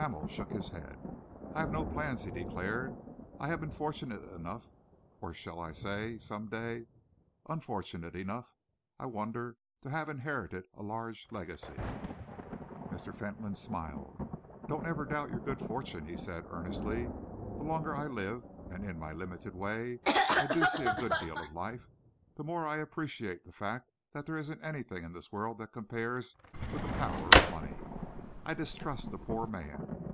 Hamel shook his head. "I have no plans," he declared. "I have been fortunate enough, or shall I some day say unfortunate enough, I wonder, to have inherited a large legacy." Mr. Fentolin smiled. "Don't ever doubt your good fortune," he said earnestly. "The longer I live and in my limited way I do see a good deal of life the more I appreciate the fact that there isn't anything in this world that compares with the power of money. I distrust a poor man.